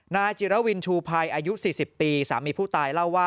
นายจิรวินชูภัยอายุ๔๐ปีสามีผู้ตายเล่าว่า